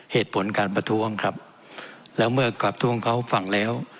เหตุผลการประท้วงครับแล้วเมื่อกลับทวงเขาฟังแล้ว